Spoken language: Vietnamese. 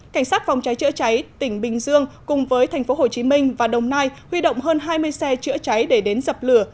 cảnh sát phòng cháy chữa cháy tỉnh bình dương cùng với tp hcm và đồng nai huy động hơn hai mươi xe chữa cháy để đến dập lửa